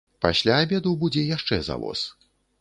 Пасля абеду будзе яшчэ завоз.